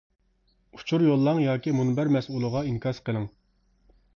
ئۇچۇر يوللاڭ ياكى مۇنبەر مەسئۇلىغا ئىنكاس قىلىڭ.